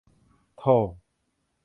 โธ่